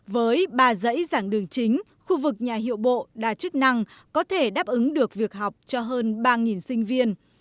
với ba dãy giảng đường chính khu vực nhà hiệu bộ đa chức năng có thể đáp ứng được việc học cho hơn ba sinh viên